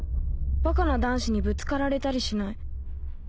バカな男子にぶつかられたりしない